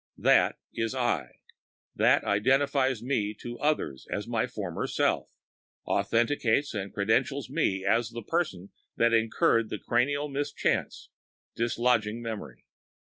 That is I; that identifies me as my former self—authenticates and credentials me as the person that incurred the cranial mischance, dislodging memory.